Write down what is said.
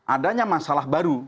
adanya masalah baru